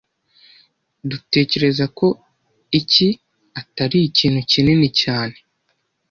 Dutekereza ko iki atari ikintu kinini cyane